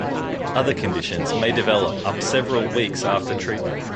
Other conditions may develop up several weeks after treatment.